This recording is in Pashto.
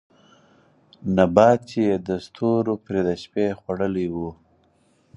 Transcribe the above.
نبات چې يې د ستورو پرې د شپې خـوړلې وو